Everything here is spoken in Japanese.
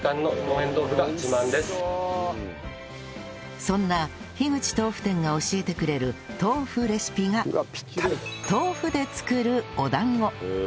そんな樋口豆富店が教えてくれる豆腐レシピが豆腐で作るお団子